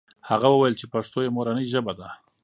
هغه وویل چې پښتو یې مورنۍ ژبه ده.